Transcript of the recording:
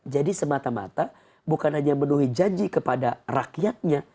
jadi semata mata bukan hanya menuhi janji kepada rakyatnya